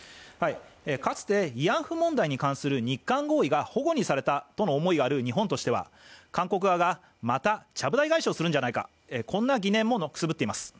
かつて慰安婦問題に関する日韓合意がほごにされたという思いがある日本としては韓国側がまたちゃぶ台返しをするんじゃないか、こんな疑念もくすぶっています。